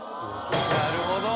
なるほど！